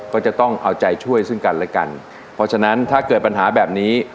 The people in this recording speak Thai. ก็จะต้องเอาใจช่วยซึ่งกันและกันเพราะฉะนั้นถ้าเกิดปัญหาแบบนี้